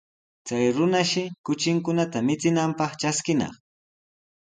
Chay runashi kuchinkunata michinanpaq traskinaq.